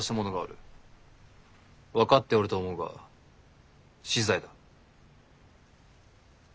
分かっておると思うが死罪だ。